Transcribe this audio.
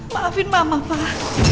maafin mama pah